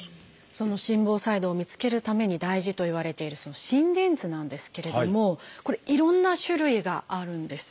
その心房細動を見つけるために大事といわれているその心電図なんですけれどもこれいろんな種類があるんです。